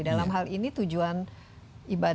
dalam hal ini tujuan ibadah itu sendiri